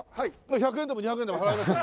１００円でも２００円でも払います。